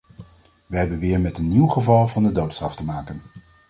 Wij hebben weer met een nieuw geval van de doodstraf te maken.